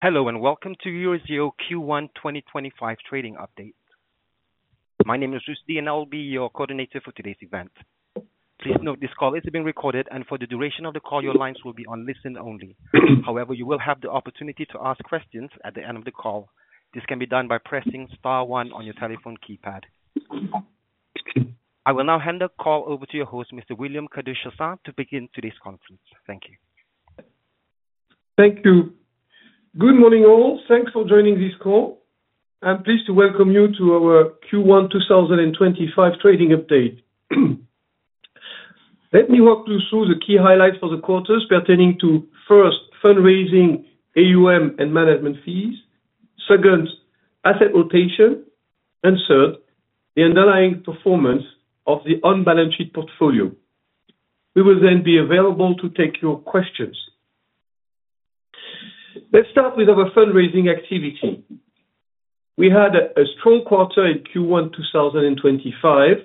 Hello, and welcome to Eurazeo Q1 2025 trading update. My name is Rus D, and I will be your coordinator for today's event. Please note this call is being recorded, and for the duration of the call, your lines will be on listen only. However, you will have the opportunity to ask questions at the end of the call. This can be done by pressing star one on your telephone keypad. I will now hand the call over to your host, Mr. William Kadouch-Chassaing, to begin today's conference. Thank you. Thank you. Good morning, all. Thanks for joining this call. I'm pleased to welcome you to our Q1 2025 trading update. Let me walk you through the key highlights for the quarters pertaining to, first, fundraising, AUM, and management fees; second, asset rotation; and third, the underlying performance of the unbalance sheet portfolio. We will then be available to take your questions. Let's start with our fundraising activity. We had a strong quarter in Q1 2025,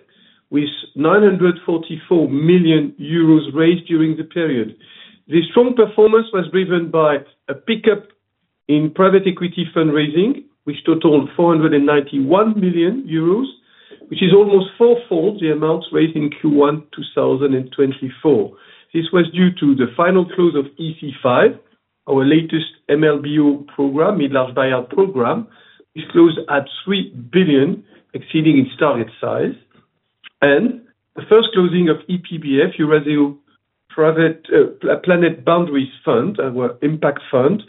with 944 million euros raised during the period. The strong performance was driven by a pickup in private equity fundraising, which totaled 491 million euros, which is almost fourfold the amounts raised in Q1 2024. This was due to the final close of EC5, our latest MLBO program, mid-large buyout program, which closed at 3 billion, exceeding its target size. The first closing of EPBF, Eurazeo Planet Boundaries Fund, our impact fund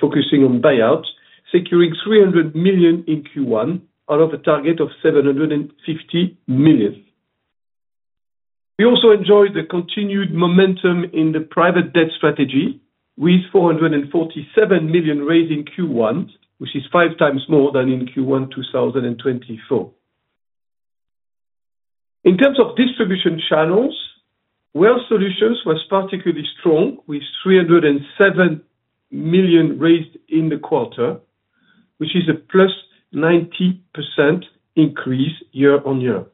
focusing on buyouts, securing 300 million in Q1 out of a target of 750 million. We also enjoyed the continued momentum in the private debt strategy, with 447 million raised in Q1, which is five times more than in Q1 2024. In terms of distribution channels, Wealth Solutions was particularly strong, with 307 million raised in the quarter, which is a plus 90% increase year on year.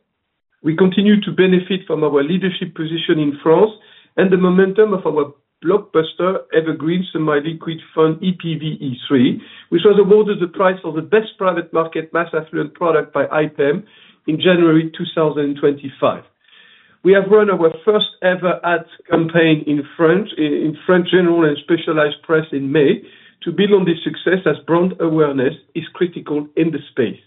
We continue to benefit from our leadership position in France and the momentum of our blockbuster Evergreen Semi-Liquid Fund, EPVE3, which was awarded the prize of the best private market mass affluent product by IPAM in January 2025. We have run our first ever ad campaign in French general and specialized press in May to build on this success as brand awareness is critical in the space.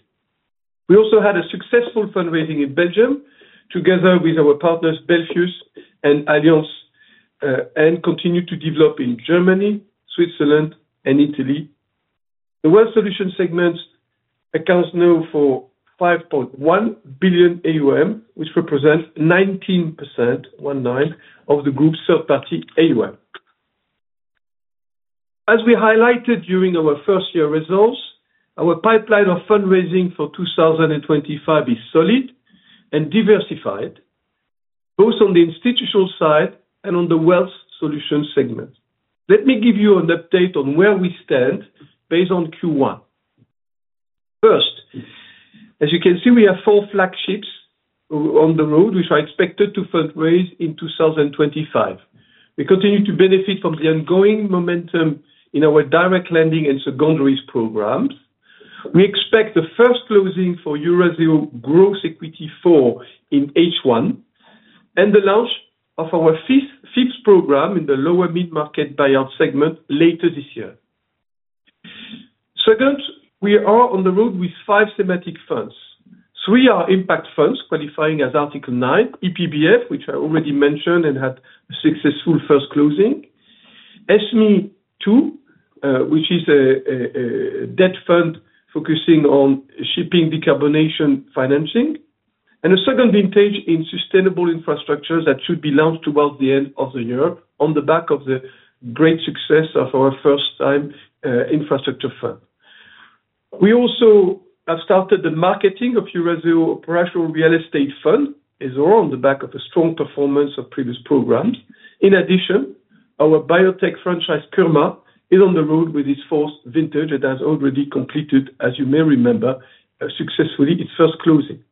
We also had a successful fundraising in Belgium together with our partners, Belfius and Allianz, and continue to develop in Germany, Switzerland, and Italy. The Wealth Solutions segment accounts now for 5.1 billion, which represents 19%, one-nine, of the group's third-party AUM. As we highlighted during our first-year results, our pipeline of fundraising for 2025 is solid and diversified, both on the institutional side and on the Wealth Solutions segment. Let me give you an update on where we stand based on Q1. First, as you can see, we have four flagships on the road, which are expected to fundraise in 2025. We continue to benefit from the ongoing momentum in our direct lending and secondaries programs. We expect the first closing for Eurazeo Growth Equity 4 in H1 and the launch of our FIPS program in the lower mid-market buyout segment later this year. Second, we are on the road with five thematic funds. Three are impact funds qualifying as Article 9, EPBF, which I already mentioned and had a successful first closing; SME2, which is a debt fund focusing on shipping decarbonation financing; and a second vintage in sustainable infrastructure that should be launched towards the end of the year on the back of the great success of our first-time infrastructure fund. We also have started the marketing of Eurazeo Operational Real Estate Fund, ESOR, on the back of the strong performance of previous programs. In addition, our biotech franchise, PIRMA, is on the road with its fourth vintage and has already completed, as you may remember, successfully its first closing.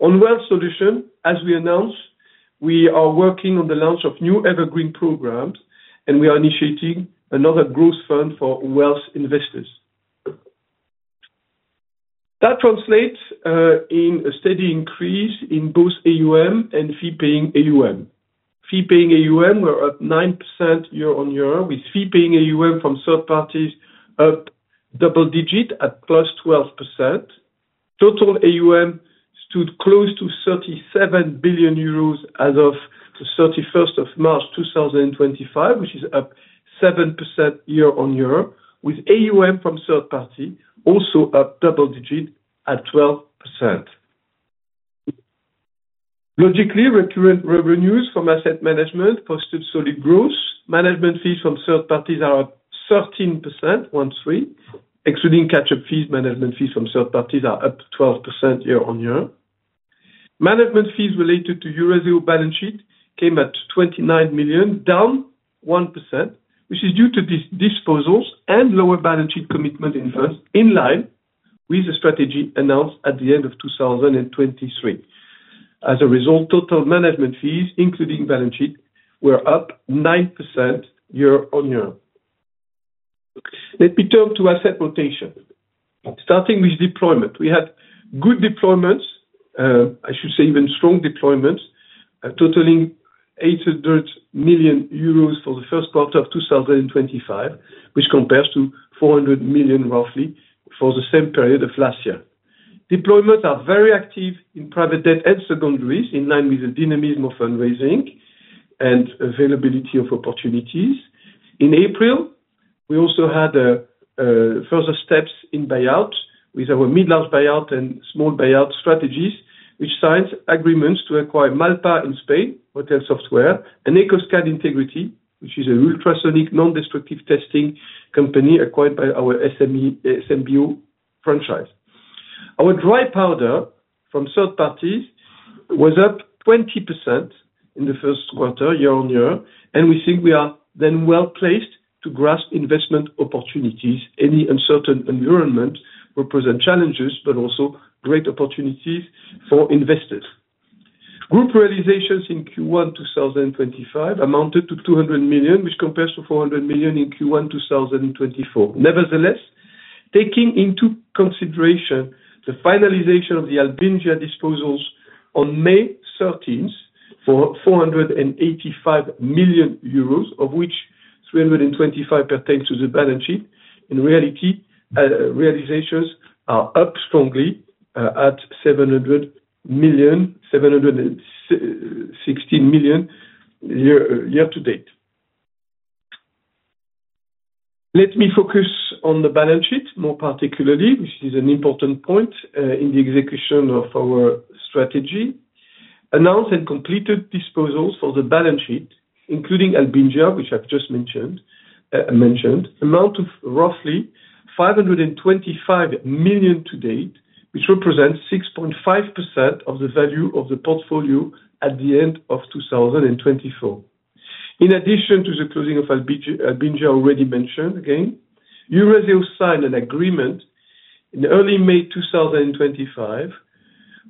On Wealth Solutions, as we announced, we are working on the launch of new Evergreen programs, and we are initiating another growth fund for wealth investors. That translates in a steady increase in both AUM and fee-paying AUM. Fee-paying AUM were up 9% year on year, with fee-paying AUM from third parties up double-digit at plus 12%. Total AUM stood close to 37 billion euros as of 31 March 2025, which is up 7% year on year, with AUM from third party also up double-digit at 12%. Logically, recurrent revenues from asset management posted solid growth. Management fees from third parties are up 13%, one-three, excluding catch-up fees. Management fees from third parties are up 12% year on year. Management fees related to Eurazeo balance sheet came at 29 million, down 1%, which is due to disposals and lower balance sheet commitment in funds in line with the strategy announced at the end of 2023. As a result, total management fees, including balance sheet, were up 9% year on year. Let me turn to asset rotation. Starting with deployment, we had good deployments, I should say even strong deployments, totaling 800 million euros for the first quarter of 2025, which compares to 400 million roughly for the same period of last year. Deployments are very active in private debt and secondaries, in line with the dynamism of fundraising and availability of opportunities. In April, we also had further steps in buyouts with our mid-large buyout and small buyout strategies, which signed agreements to acquire Malpa in Spain, Hotel Software, and EcoScan Integrity, which is an ultrasonic non-destructive testing company acquired by our SMBO franchise. Our dry powder from third parties was up 20% in the first quarter year on year, and we think we are then well placed to grasp investment opportunities. Any uncertain environment represents challenges, but also great opportunities for investors. Group realizations in Q1 2025 amounted to 200 million, which compares to 400 million in Q1 2024. Nevertheless, taking into consideration the finalization of the Albingia disposals on May 13 for 485 million euros, of which 325 million pertain to the balance sheet, in reality, realizations are up strongly at 716 million year to date. Let me focus on the balance sheet more particularly, which is an important point in the execution of our strategy. Announced and completed disposals for the balance sheet, including Albingia, which I've just mentioned, amount to roughly 525 million to date, which represents 6.5% of the value of the portfolio at the end of 2024. In addition to the closing of Albingia already mentioned, again, Eurazeo signed an agreement in early May 2025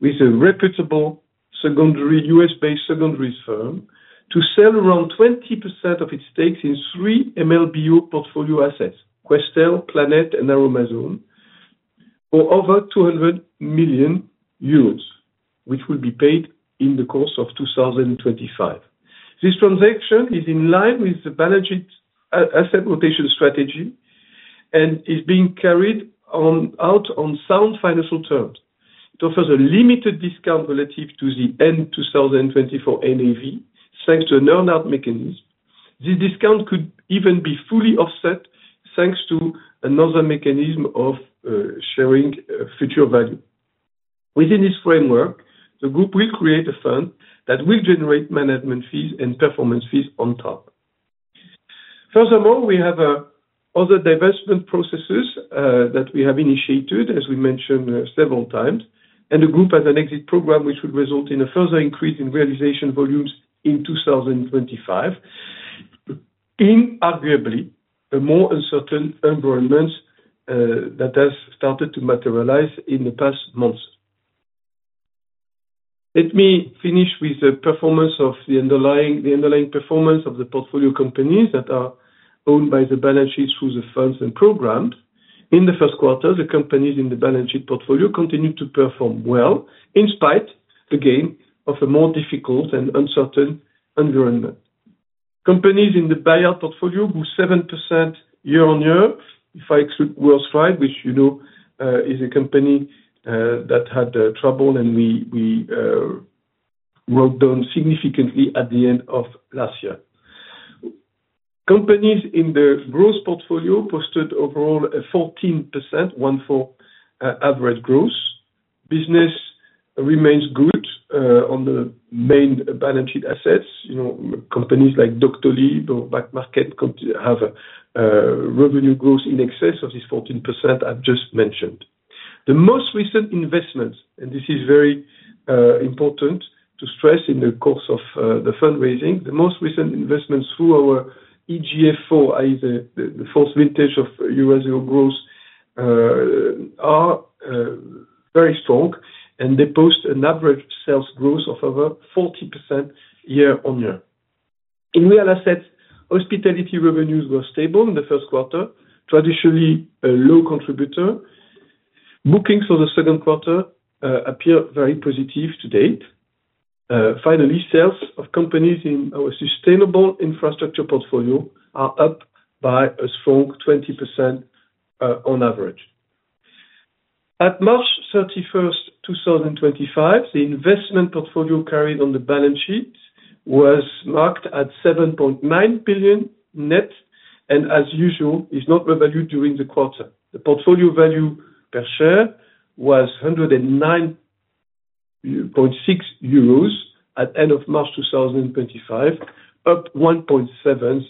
with a reputable US-based secondaries firm to sell around 20% of its stakes in three MLBO portfolio assets, Questel, Planet, and Aromazone, for over 200 million euros, which will be paid in the course of 2025. This transaction is in line with the balance sheet asset rotation strategy and is being carried out on sound financial terms. It offers a limited discount relative to the end-2024 NAV, thanks to an earn-out mechanism. This discount could even be fully offset, thanks to another mechanism of sharing future value. Within this framework, the group will create a fund that will generate management fees and performance fees on top. Furthermore, we have other divestment processes that we have initiated, as we mentioned several times, and the group has an exit program which would result in a further increase in realization volumes in 2025, in arguably a more uncertain environment that has started to materialize in the past months. Let me finish with the performance of the underlying performance of the portfolio companies that are owned by the balance sheet through the funds and programs. In the first quarter, the companies in the balance sheet portfolio continued to perform well in spite, again, of a more difficult and uncertain environment. Companies in the buyout portfolio grew 7% year on year, if I exclude WorldStrides, which is a company that had trouble, and we wrote down significantly at the end of last year. Companies in the growth portfolio posted overall a 14%, one-fourth average growth. Business remains good on the main balance sheet assets. Companies like Doctolib or Back Market have revenue growth in excess of this 14% I have just mentioned. The most recent investments, and this is very important to stress in the course of the fundraising, the most recent investments through our EGF4, i.e., the fourth vintage of Eurazeo growth, are very strong, and they post an average sales growth of over 40% year on year. In real assets, hospitality revenues were stable in the first quarter, traditionally a low contributor. Bookings for the second quarter appear very positive to date. Finally, sales of companies in our sustainable infrastructure portfolio are up by a strong 20% on average. At March 31, 2025, the investment portfolio carried on the balance sheet was marked at 7.9 billion net, and as usual, is not revalued during the quarter. The portfolio value per share was 109.6 euros at the end of March 2025, up 1.7%,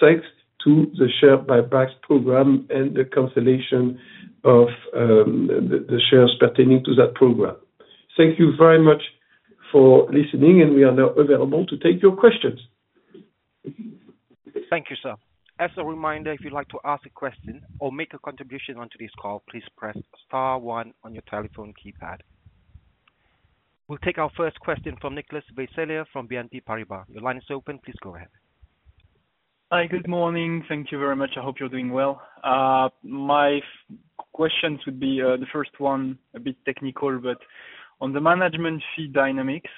thanks to the share buybacks program and the cancellation of the shares pertaining to that program. Thank you very much for listening, and we are now available to take your questions. Thank you, sir. As a reminder, if you'd like to ask a question or make a contribution onto this call, please press star one on your telephone keypad. We'll take our first question from Nicholas Vaysselier from BNP Paribas. Your line is open. Please go ahead. Hi, good morning. Thank you very much. I hope you're doing well. My questions would be the first one, a bit technical, but on the management fee dynamics,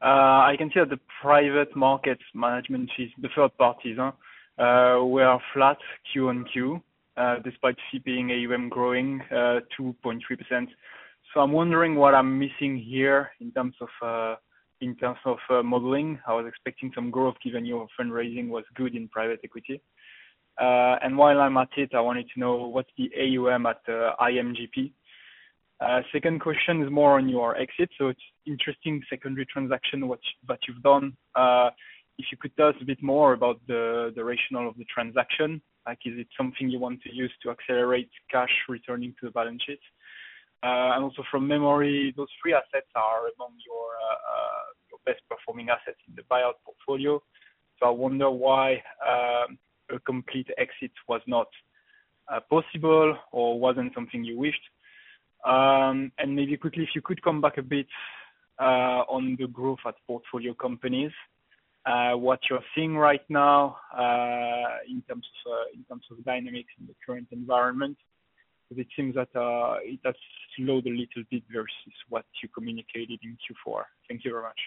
I can see that the private markets management fees, the third parties, were flat Q on Q despite fee-paying AUM growing 2.3%. So I'm wondering what I'm missing here in terms of modeling. I was expecting some growth given your fundraising was good in private equity. While I'm at it, I wanted to know what's the AUM at IMGP? Second question is more on your exit. It's interesting, the secondary transaction that you've done. If you could tell us a bit more about the rationale of the transaction, is it something you want to use to accelerate cash returning to the balance sheet? Also, from memory, those three assets are among your best-performing assets in the buyout portfolio. I wonder why a complete exit was not possible or was not something you wished. Maybe quickly, if you could come back a bit on the growth at portfolio companies, what you are seeing right now in terms of dynamics in the current environment, because it seems that it has slowed a little bit versus what you communicated in Q4. Thank you very much.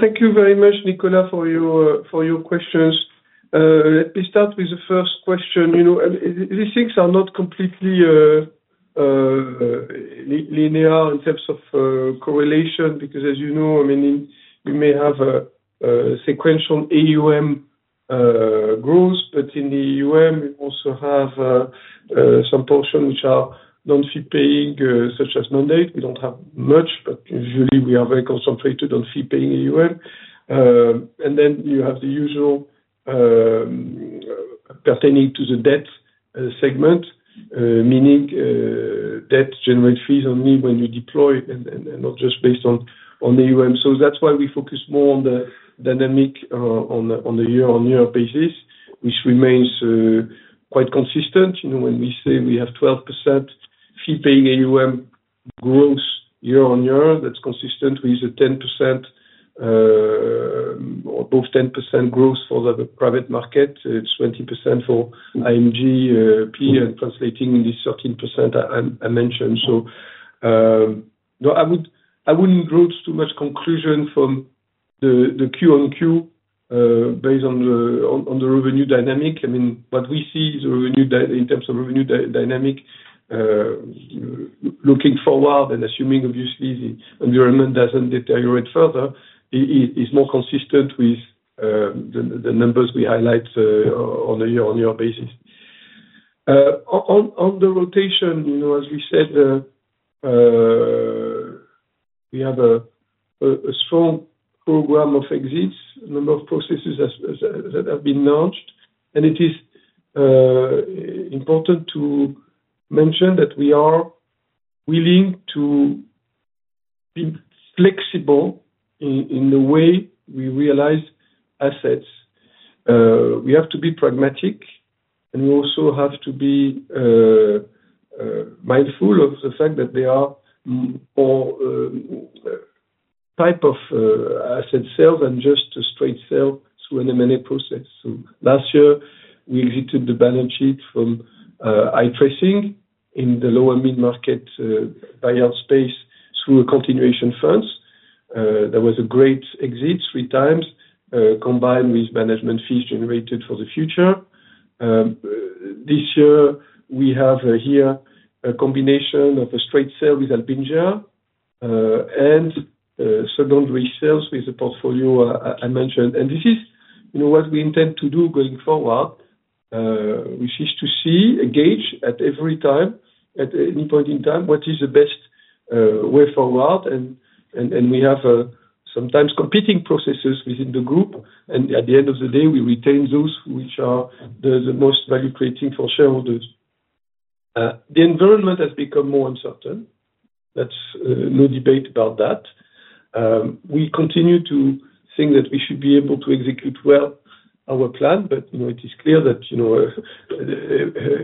Thank you very much, Nicolas, for your questions. Let me start with the first question. These things are not completely linear in terms of correlation, because, as you know, I mean, you may have a sequential AUM growth, but in the AUM, you also have some portions which are non-fee-paying, such as non-debt. We do not have much, but usually, we are very concentrated on fee-paying AUM. Then you have the usual pertaining to the debt segment, meaning debt-generated fees only when you deploy and not just based on AUM. That is why we focus more on the dynamic on a year-on-year basis, which remains quite consistent. When we say we have 12% fee-paying AUM growth year-on-year, that is consistent with a 10% or both 10% growth for the private market. It is 20% for IMGP and translating in this 13% I mentioned. I would not draw too much conclusion from the Q on Q based on the revenue dynamic. I mean, what we see in terms of revenue dynamic, looking forward and assuming, obviously, the environment does not deteriorate further, is more consistent with the numbers we highlight on a year-on-year basis. On the rotation, as we said, we have a strong program of exits, a number of processes that have been launched. It is important to mention that we are willing to be flexible in the way we realize assets. We have to be pragmatic, and we also have to be mindful of the fact that there are more types of asset sales than just straight sales through an M&A process. Last year, we exited the balance sheet from iTracing in the lower mid-market buyout space through continuation funds. There was a great exit three times combined with management fees generated for the future. This year, we have here a combination of a straight sale with Albingia and secondary sales with the portfolio I mentioned. This is what we intend to do going forward. We seek to see, engage at every time, at any point in time, what is the best way forward. We have sometimes competing processes within the group, and at the end of the day, we retain those which are the most value-creating for shareholders. The environment has become more uncertain. There is no debate about that. We continue to think that we should be able to execute well our plan, but it is clear that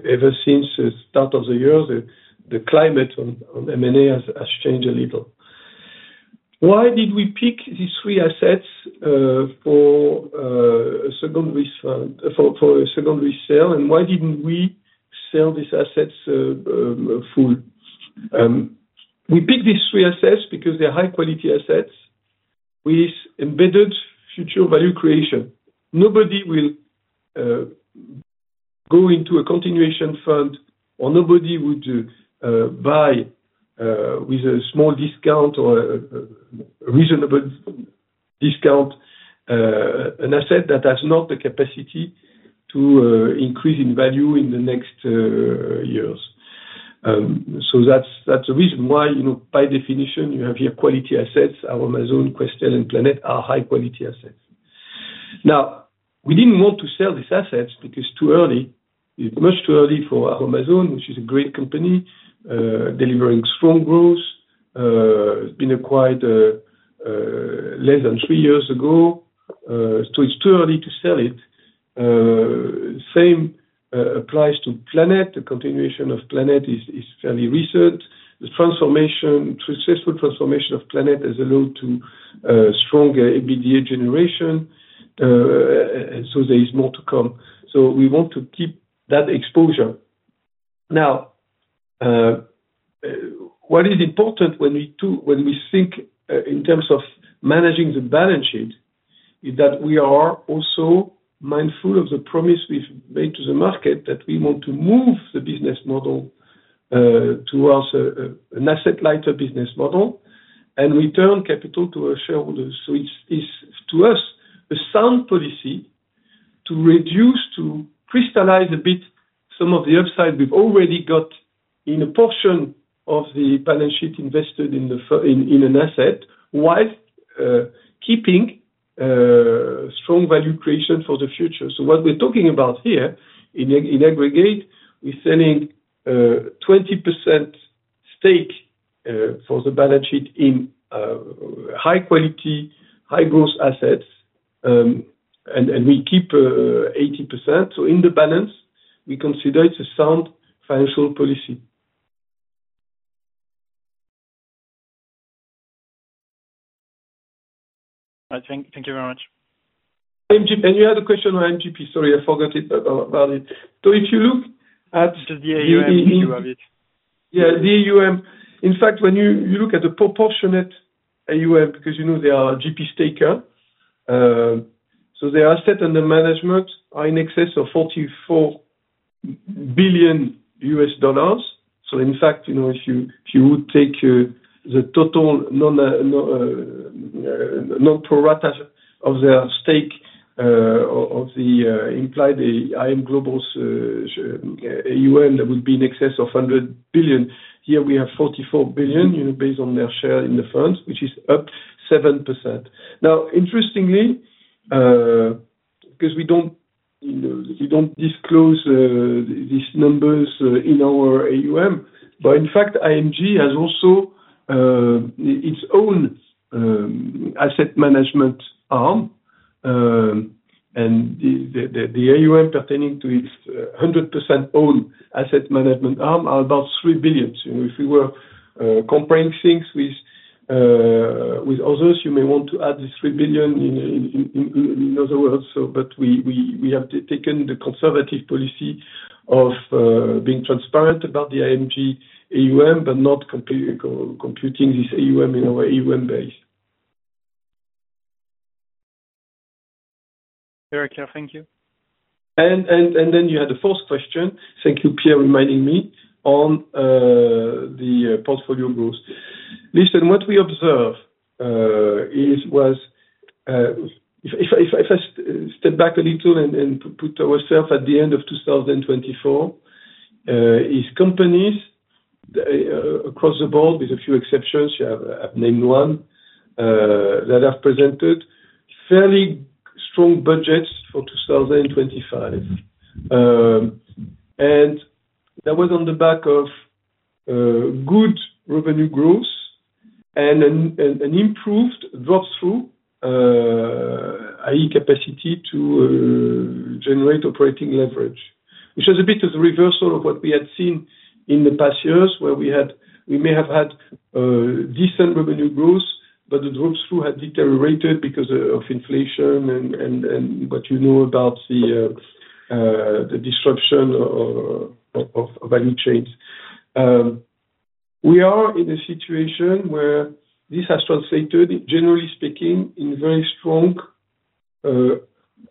ever since the start of the year, the climate on M&A has changed a little. Why did we pick these three assets for a secondary sale? Why did not we sell these assets full? We picked these three assets because they are high-quality assets with embedded future value creation. Nobody will go into a continuation fund, or nobody would buy with a small discount or a reasonable discount an asset that has not the capacity to increase in value in the next years. That is the reason why, by definition, you have here quality assets. Aromazone, Questel, and Planet are high-quality assets. Now, we did not want to sell these assets because it is too early. It is much too early for Aromazone, which is a great company, delivering strong growth. It has been acquired less than three years ago. It is too early to sell it. Same applies to Planet. The continuation of Planet is fairly recent. The successful transformation of Planet has allowed stronger EBITDA generation. There is more to come. We want to keep that exposure. Now, what is important when we think in terms of managing the balance sheet is that we are also mindful of the promise we've made to the market that we want to move the business model towards an asset-lighter business model and return capital to our shareholders. It is to us a sound policy to reduce, to crystallize a bit some of the upside we've already got in a portion of the balance sheet invested in an asset while keeping strong value creation for the future. What we're talking about here, in aggregate, we're selling a 20% stake for the balance sheet in high-quality, high-growth assets, and we keep 80%. In the balance, we consider it's a sound financial policy. Thank you very much. You had a question on IMGP. Sorry, I forgot about it. If you look at. Just the AUM, if you have it. Yeah, the AUM. In fact, when you look at the proportionate AUM, because there are GP stakers, so their asset under management are in excess of $44 billion. In fact, if you would take the total non-prorata of their stake of the implied IMGP's AUM, that would be in excess of $100 billion. Here, we have $44 billion based on their share in the funds, which is up 7%. Now, interestingly, because we do not disclose these numbers in our AUM, in fact, IMG has also its own asset management arm. The AUM pertaining to its 100% own asset management arm are about $3 billion. If we were comparing things with others, you may want to add this $3 billion in other words. We have taken the conservative policy of being transparent about the IMG AUM, but not computing this AUM in our AUM base. Very clear. Thank you. You had the fourth question. Thank you, Pierre, reminding me on the portfolio growth. Listen, what we observed was, if I step back a little and put ourselves at the end of 2024, is companies across the board, with a few exceptions, I have named one, that have presented fairly strong budgets for 2025. That was on the back of good revenue growth and an improved drop-through, i.e., capacity to generate operating leverage, which is a bit of the reversal of what we had seen in the past years, where we may have had decent revenue growth, but the drop-through had deteriorated because of inflation and what you know about the disruption of value chains. We are in a situation where this has translated, generally speaking, in very strong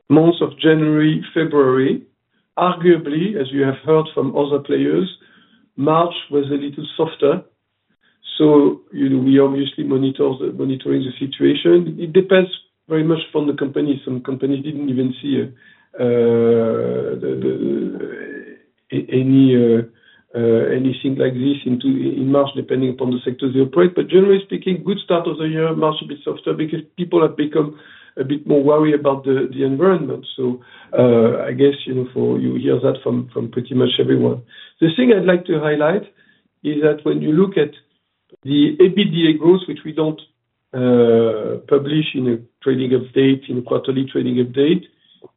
months of January, February. Arguably, as you have heard from other players, March was a little softer. We obviously monitoring the situation. It depends very much from the companies. Some companies didn't even see anything like this in March, depending upon the sectors they operate. Generally speaking, good start of the year, March a bit softer because people have become a bit more worried about the environment. I guess you hear that from pretty much everyone. The thing I'd like to highlight is that when you look at the EBITDA growth, which we don't publish in a trading update, in a quarterly trading update,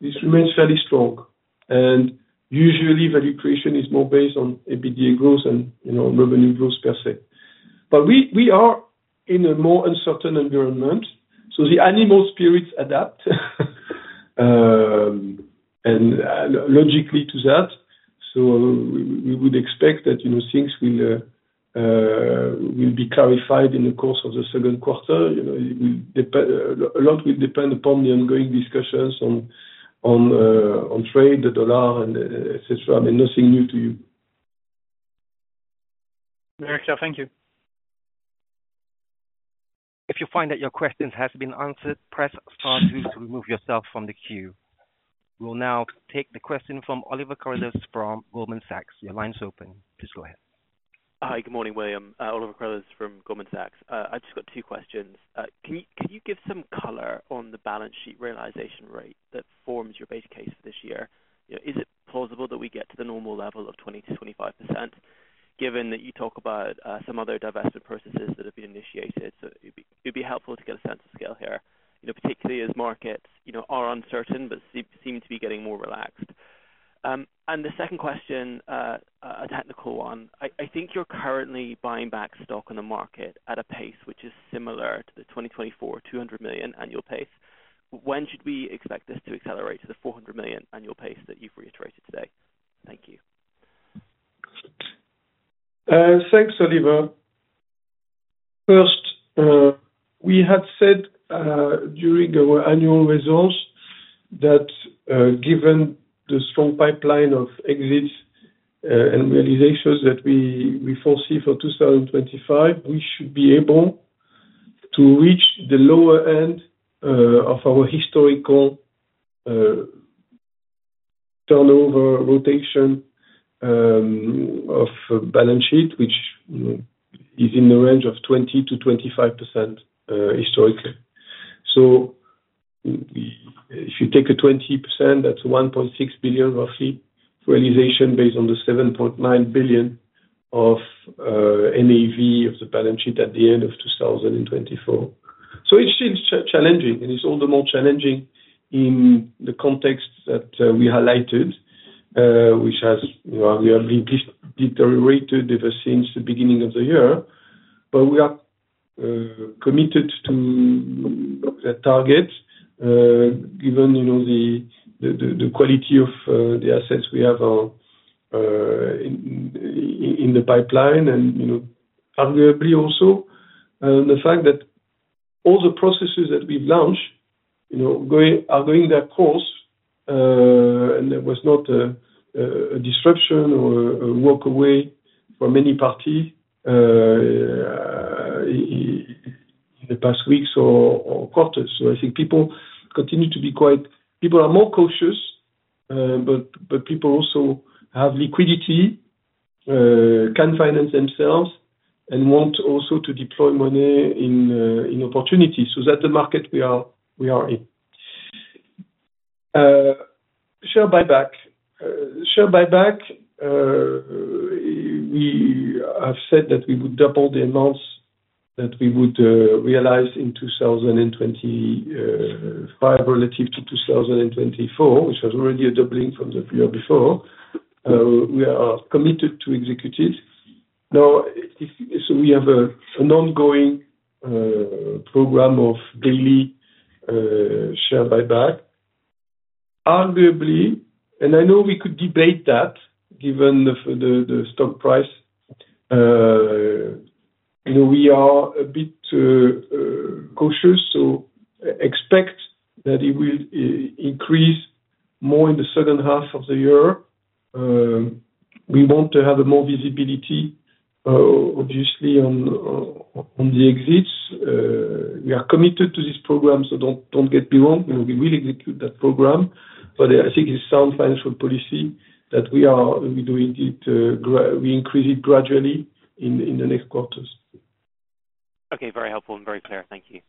this remains fairly strong. Usually, value creation is more based on EBITDA growth and revenue growth per se. We are in a more uncertain environment. The animal spirits adapt, and logically to that. We would expect that things will be clarified in the course of the second quarter. A lot will depend upon the ongoing discussions on trade, the dollar, etc. I mean, nothing new to you. Very clear. Thank you. If you find that your question has been answered, press star two to remove yourself from the queue. We'll now take the question from Oliver Carruthers from Goldman Sachs. Your line is open. Please go ahead. Hi, good morning, William. Oliver Carruthers from Goldman Sachs. I just got two questions. Can you give some color on the balance sheet realization rate that forms your base case for this year? Is it plausible that we get to the normal level of 20-25%, given that you talk about some other divestment processes that have been initiated? It'd be helpful to get a sense of scale here, particularly as markets are uncertain but seem to be getting more relaxed. The second question, a technical one. I think you're currently buying back stock in the market at a pace which is similar to the 2024, $200 million annual pace. When should we expect this to accelerate to the $400 million annual pace that you've reiterated today? Thank you. Thanks, Oliver. First, we had said during our annual results that given the strong pipeline of exits and realizations that we foresee for 2025, we should be able to reach the lower end of our historical turnover rotation of balance sheet, which is in the range of 20% to 25% historically. If you take a 20%, that's 1.6 billion roughly realization based on the 7.9 billion of NAV of the balance sheet at the end of 2024. It is challenging, and it is all the more challenging in the context that we highlighted, which has arguably deteriorated ever since the beginning of the year. We are committed to the target, given the quality of the assets we have in the pipeline. Arguably also the fact that all the processes that we've launched are going their course, and there was not a disruption or a walk away for many parties in the past weeks or quarters. I think people continue to be quite, people are more cautious, but people also have liquidity, can finance themselves, and want also to deploy money in opportunities. That's the market we are in. Share buyback. Share buyback, we have said that we would double the amounts that we would realize in 2025 relative to 2024, which was already a doubling from the year before. We are committed to execute it. Now, we have an ongoing program of daily share buyback. Arguably, and I know we could debate that given the stock price, we are a bit cautious, so expect that it will increase more in the second half of the year. We want to have more visibility, obviously, on the exits. We are committed to this program, so do not get me wrong. We will execute that program. I think it is sound financial policy that we increase it gradually in the next quarters. Okay. Very helpful and very clear. Thank you.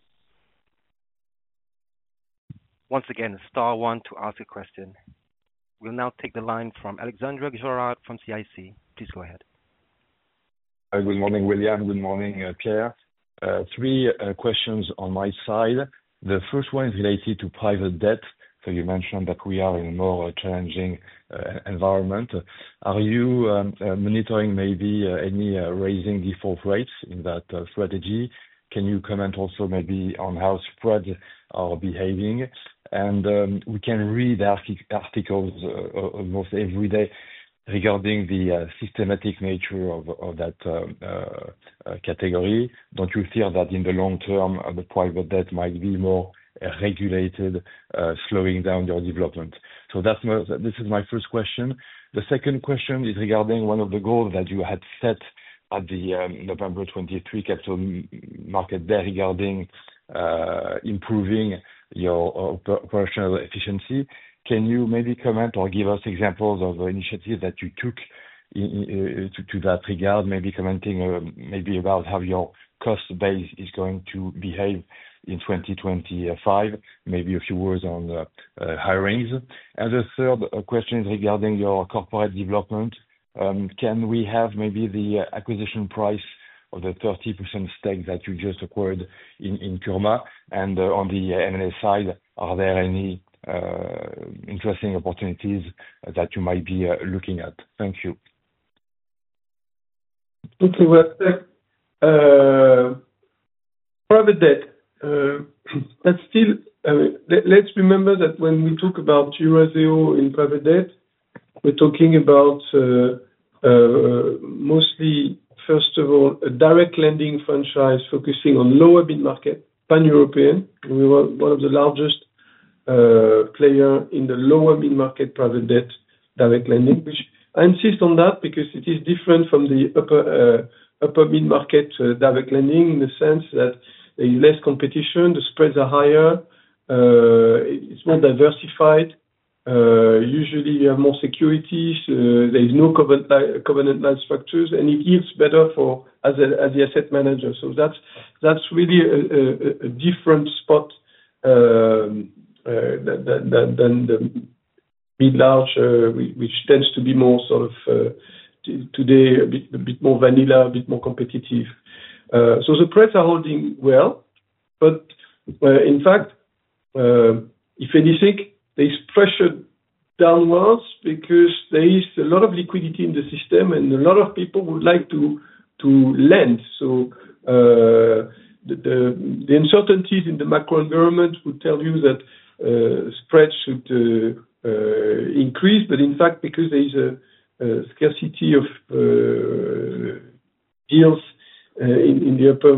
Once again, star one to ask a question. We'll now take the line from Alexandre Girard from CIC. Please go ahead. Hi, good morning, William. Good morning, Pierre. Three questions on my side. The first one is related to private debt. You mentioned that we are in a more challenging environment. Are you monitoring maybe any raising default rates in that strategy? Can you comment also maybe on how spreads are behaving? We can read articles almost every day regarding the systematic nature of that category. Do not you fear that in the long term, the private debt might be more regulated, slowing down your development? This is my first question. The second question is regarding one of the goals that you had set at the November 2023 capital market day regarding improving your operational efficiency. Can you maybe comment or give us examples of initiatives that you took to that regard, maybe commenting maybe about how your cost base is going to behave in 2025, maybe a few words on hirings? The third question is regarding your corporate development. Can we have maybe the acquisition price of the 30% stake that you just acquired in PIRMA? On the NAS side, are there any interesting opportunities that you might be looking at? Thank you. Thank you, Waltheire. Private debt, that's still let's remember that when we talk about Eurazeo in private debt, we're talking about mostly, first of all, a direct lending franchise focusing on lower mid-market, pan-European. We were one of the largest players in the lower mid-market private debt direct lending, which I insist on that because it is different from the upper mid-market direct lending in the sense that there is less competition, the spreads are higher, it's more diversified, usually you have more securities, there is no covenant manufacturers, and it yields better as the asset manager. That's really a different spot than the mid-large, which tends to be more sort of today a bit more vanilla, a bit more competitive. The spreads are holding well, but in fact, if anything, there is pressure downwards because there is a lot of liquidity in the system and a lot of people would like to lend. The uncertainties in the macro environment would tell you that spreads should increase. In fact, because there is a scarcity of deals in the upper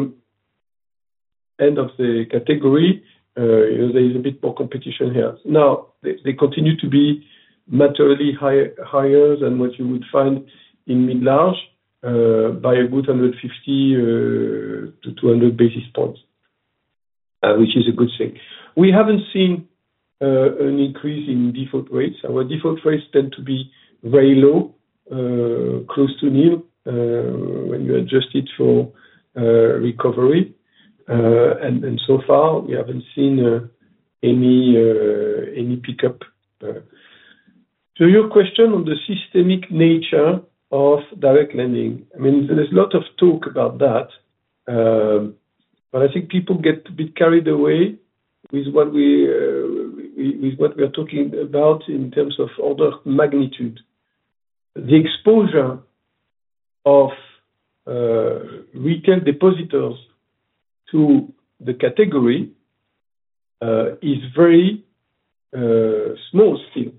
end of the category, there is a bit more competition here. They continue to be materially higher than what you would find in mid-large by a good 150-200 basis points, which is a good thing. We have not seen an increase in default rates. Our default rates tend to be very low, close to new when you adjust it for recovery. So far, we have not seen any pickup. To your question on the systemic nature of direct lending, I mean, there's a lot of talk about that, but I think people get a bit carried away with what we are talking about in terms of order of magnitude. The exposure of retail depositors to the category is very small still.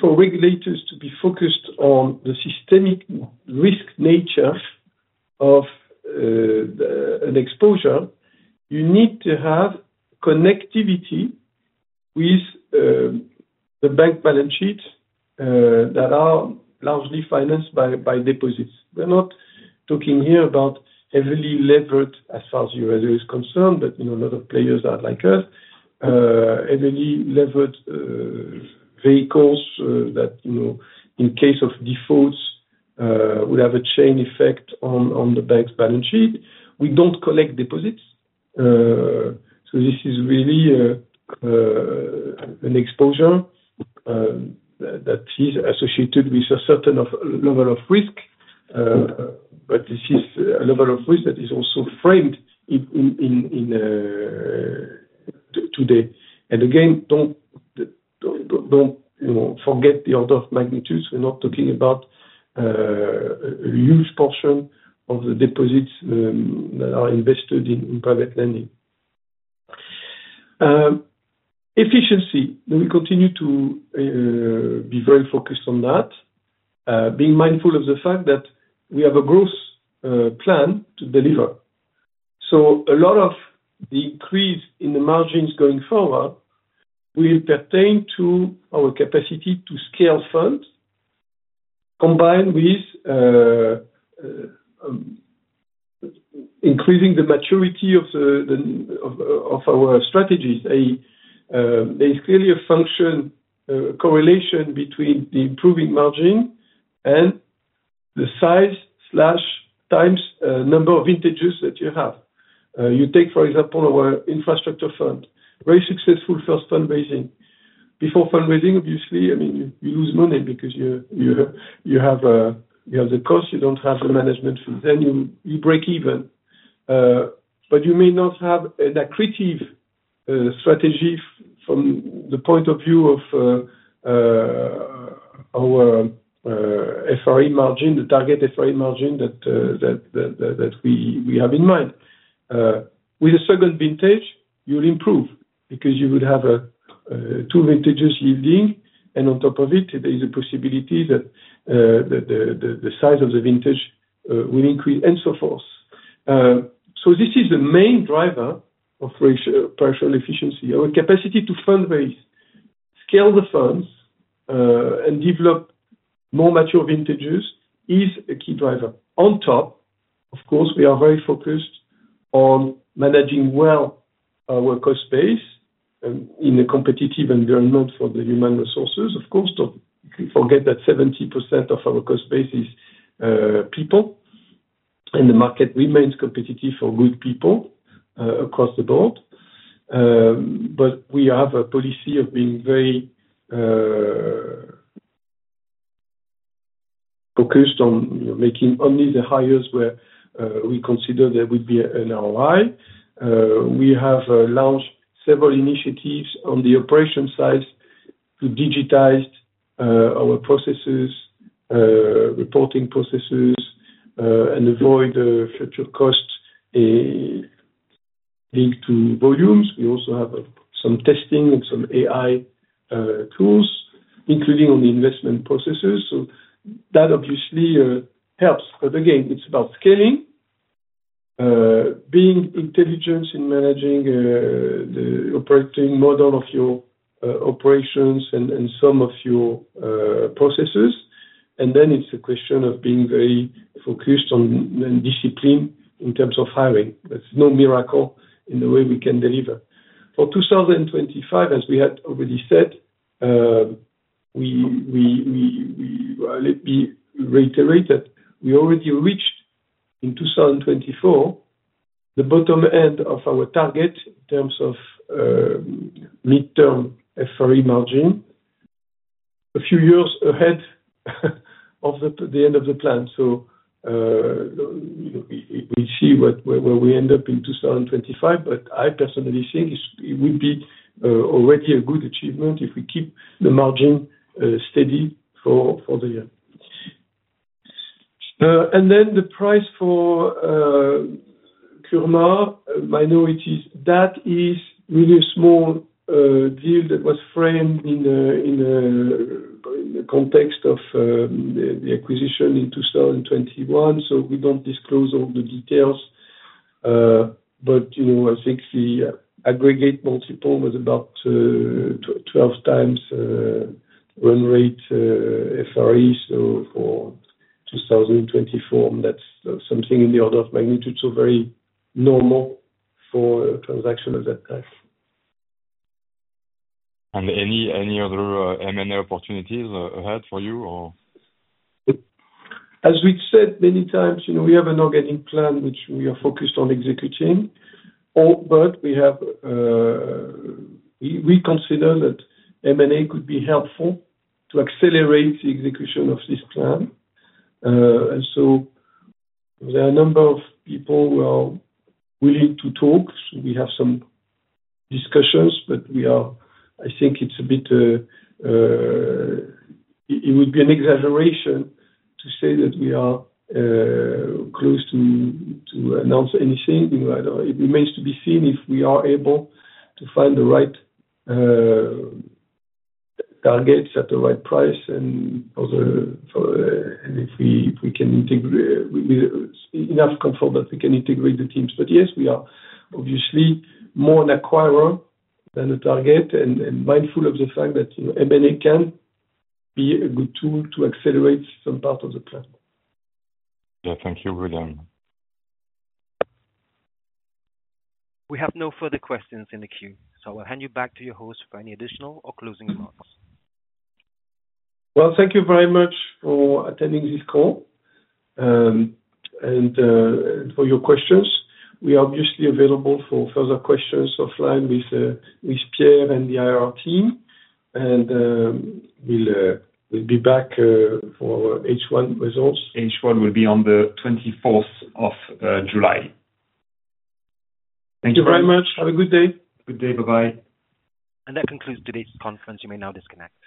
For regulators to be focused on the systemic risk nature of an exposure, you need to have connectivity with the bank balance sheets that are largely financed by deposits. We're not talking here about heavily levered as far as Eurazeo is concerned, but a lot of players are like us, heavily levered vehicles that, in case of defaults, would have a chain effect on the bank's balance sheet. We don't collect deposits. This is really an exposure that is associated with a certain level of risk, but this is a level of risk that is also framed today. Again, do not forget the order of magnitude. We are not talking about a huge portion of the deposits that are invested in private lending. Efficiency. We continue to be very focused on that, being mindful of the fact that we have a growth plan to deliver. A lot of the increase in the margins going forward will pertain to our capacity to scale funds, combined with increasing the maturity of our strategies. There is clearly a function, a correlation between the improving margin and the size/times number of interests that you have. You take, for example, our infrastructure fund, very successful first fundraising. Before fundraising, obviously, I mean, you lose money because you have the cost, you do not have the management fees. You break even. You may not have an accretive strategy from the point of view of our FRE margin, the target FRE margin that we have in mind. With a second vintage, you'll improve because you would have two vintages yielding, and on top of it, there is a possibility that the size of the vintage will increase, and so forth. This is the main driver of partial efficiency. Our capacity to fundraise, scale the funds, and develop more mature vintages is a key driver. On top, of course, we are very focused on managing well our cost base in a competitive environment for the human resources. Of course, don't forget that 70% of our cost base is people, and the market remains competitive for good people across the board. We have a policy of being very focused on making only the hires where we consider there would be an ROI. We have launched several initiatives on the operation side to digitize our processes, reporting processes, and avoid future costs linked to volumes. We also have some testing and some AI tools, including on the investment processes. That obviously helps. Again, it's about scaling, being intelligent in managing the operating model of your operations and some of your processes. It is a question of being very focused on discipline in terms of hiring. There's no miracle in the way we can deliver. For 2025, as we had already said, let me reiterate that we already reached in 2024 the bottom end of our target in terms of mid-term FRE margin, a few years ahead of the end of the plan. We see where we end up in 2025, but I personally think it would be already a good achievement if we keep the margin steady for the year. The price for PIRMA minorities, that is really a small deal that was framed in the context of the acquisition in 2021. We do not disclose all the details, but I think the aggregate multiple was about 12 times run rate FRE for 2024. That is something in the order of magnitude, so very normal for a transaction of that type. Any other M&A opportunities ahead for you? As we've said many times, we have an organic plan, which we are focused on executing. We consider that M&A could be helpful to accelerate the execution of this plan. There are a number of people who are willing to talk. We have some discussions, but I think it would be an exaggeration to say that we are close to announce anything. It remains to be seen if we are able to find the right targets at the right price and if we can have enough comfort that we can integrate the teams. Yes, we are obviously more an acquirer than a target and mindful of the fact that M&A can be a good tool to accelerate some part of the plan. Yeah. Thank you, William. We have no further questions in the queue, so I'll hand you back to your host for any additional or closing remarks. Thank you very much for attending this call and for your questions. We are obviously available for further questions offline with Pierre and the IR team. We will be back for H1 results. H1 will be on the 24th of July. Thank you very much. Have a good day. Good day. Bye-bye. That concludes today's conference. You may now disconnect.